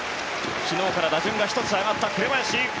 昨日から打順が１つ上がった紅林。